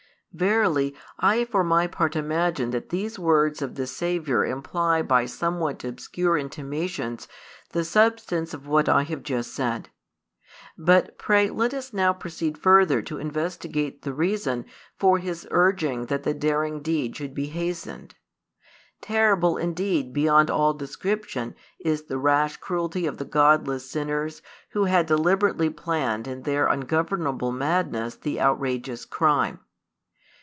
Verily I for my part imagine that these words of the Saviour imply by somewhat obscure intimations the substance of what I have just said: but pray let us now proceed further to investigate the reason for His urging that the daring deed should be hastened. Terrible indeed beyond all description is the rash cruelty of the godless sinners who had deliberately planned in their ungovernable madness the outrageous crime.